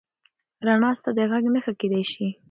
رڼا ستا د غږ نښه کېدی شي.